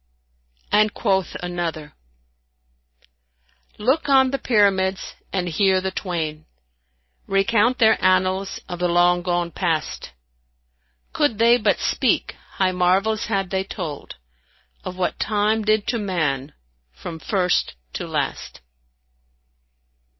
And quoth another, "Look on the Pyramids, and hear the twain * Recount their annals of the long gone Past: Could they but speak, high marvels had they told * Of what Time did to man from first to last."